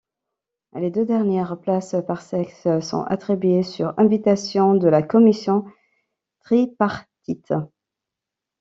Les deux dernières places par sexe sont attribuées sur invitation de la Commission tripartite.